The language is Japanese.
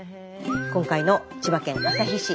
今回の千葉県旭市。